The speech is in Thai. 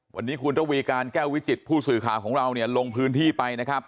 วันนี้ทุกราบีการแก้ววิจิติผู้สื่อขาวเราลงพื้นที่ไปนะครับ